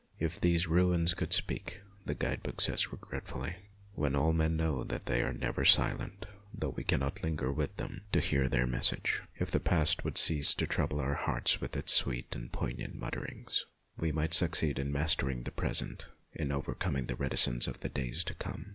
" If these ruins could speak " the guide book says regretfully, when all men know that they are never MONTJOIE 249 silent, though we cannot linger with them to hear their message. If the past would cease to trouble our hearts with its sweet and poignant mutterings, we might succeed in mastering the present, in overcoming the reticence of the days to come.